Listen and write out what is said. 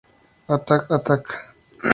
Attack Attack!